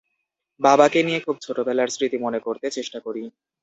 বাবাকে নিয়ে খুব ছোটবেলার স্মৃতি মনে করতে চেষ্টা করি।